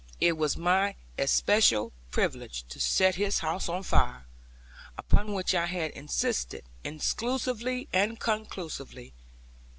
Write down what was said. It was my especial privilege to set this house on fire; upon which I had insisted, exclusively and conclusively.